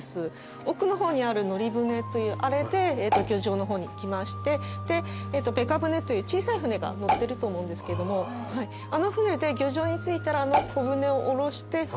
奥の方にある海苔船というあれで漁場の方に行きましてでべかぶねという小さい舟が載ってると思うんですけどもあの船で漁場に着いたらあの小舟を降ろしてそれで海苔採りをしました。